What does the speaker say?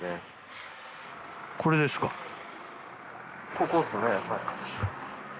ここっすね。